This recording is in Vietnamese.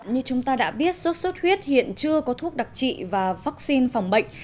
như chúng ta đã biết sốt xuất huyết hiện chưa có thuốc đặc trị và vaccine phòng bệnh